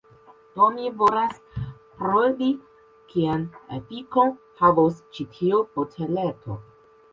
Do mi volas provi kian efikon havos ĉi tiu boteleto.